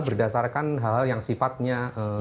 berdasarkan hal hal yang sifatnya